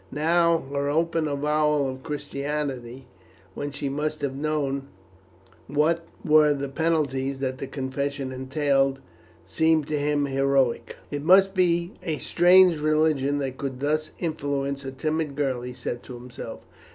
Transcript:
Now her open avowal of Christianity, when she must have known what were the penalties that the confession entailed, seemed to him heroic. "It must be a strange religion that could thus influence a timid girl," he said to himself.